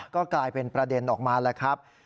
ก็กลายเป็นประเด็นออกมาแล้วครับ